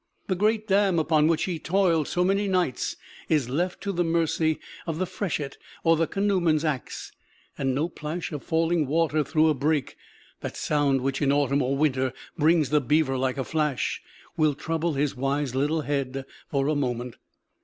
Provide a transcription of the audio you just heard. The great dam, upon which he toiled so many nights, is left to the mercy of the freshet or the canoeman's axe; and no plash of falling water through a break that sound which in autumn or winter brings the beaver like a flash will trouble his wise little head for a moment.